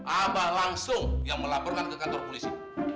abah langsung yang melaporkan ke kantor polisi